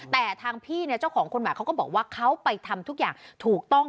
แต่ทางพี่เนี่ยเจ้าของคนใหม่เขาก็บอกว่าเขาไปทำทุกอย่างถูกต้อง